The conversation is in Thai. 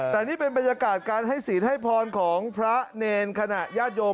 แต่นี่เป็นบรรยากาศการให้ศีลให้พรของพระเนรขณะญาติโยม